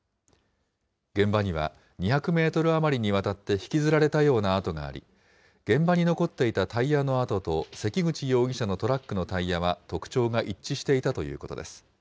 現場には、２００メートル余りにわたって引きずられたような跡があり、現場に残っていたタイヤの跡と関口容疑者のトラックのタイヤは特徴が一致していたということです。